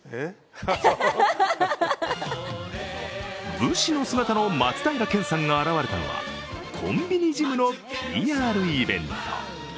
武士の姿の松平健さんが現れたのはコンビニジムのＰＲイベント。